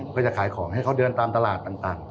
เพื่อจะขายของให้เขาเดินตามตลาดต่าง